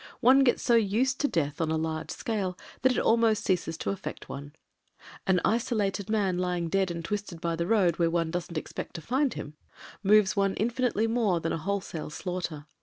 One gets so used to death on a large scale that it almost ceases to affect one. An isolated man lying dead and twisted by the road, where one doesn't expect to find him, moves one infinitely more than a wholesale slaughter.